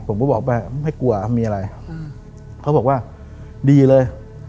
ผมก็บอกว่าไม่กลัวมีอะไรเขาบอกว่าดีเลย